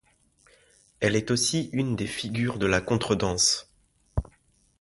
Elle est aussi une des figures de la contredanse.